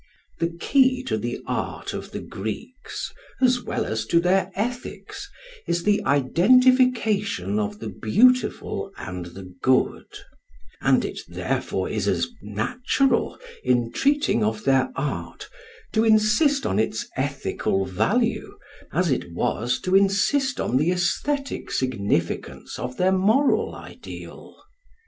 The key to the art of the Greeks, as well as to their ethics, is the identification of the beautiful and the good; and it therefore is as natural in treating of their art to insist on its ethical value as it was to insist on the aesthetic significance of their moral ideal.